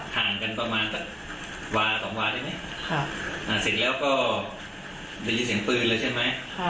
พอเดินลงมาแต่ปุ๊บเห็นคนเลยไหมเห็นคนที่ยิงเลยไหมลูก